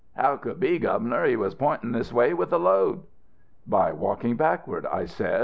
"'How could he, Governor; he was pointin' this way with the load?' "'By walking backward,' I said.